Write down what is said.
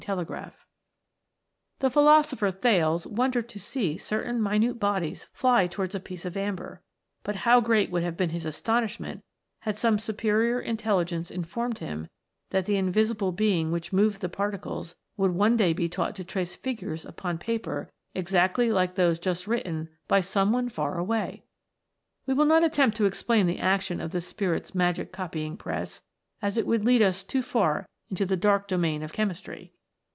t The philosopher Thales wondered to see certain minute bodies fly towards a piece of amber ; but how great would have been his astonishment had some superior intelligence informed him that the invisible being which moved the particles would one day be taught to trace figures upon paper exactly like those just written by some one far away ! We will not attempt to explain the action of the Spirit's magic copying press, as it would lead us too far into the dark domain of chemistry.